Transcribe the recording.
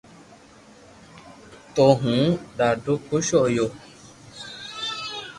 تو ھون ڌادو خوݾ ھويو